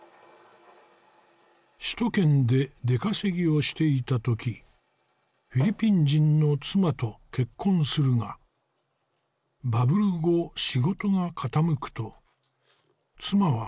首都圏で出稼ぎをしていた時フィリピン人の妻と結婚するがバブル後仕事が傾くと妻は子を連れ去っていった。